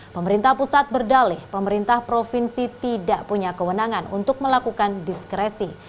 pemerintah pusat berdalih pemerintah provinsi tidak punya kewenangan untuk melakukan diskresi